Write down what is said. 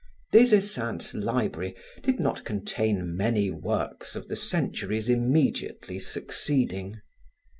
Des Esseintes' library did not contain many works of the centuries immediately succeeding.